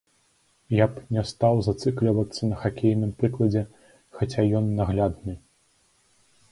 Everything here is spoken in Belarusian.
Я б не стаў зацыклівацца на хакейным прыкладзе, хаця ён наглядны.